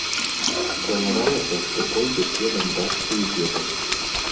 Планавалася, што пойдзе следам бацькі і дзеда.